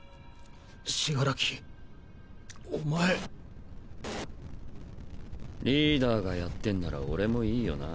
死柄木おまえリーダーがやってんなら俺もいいよな。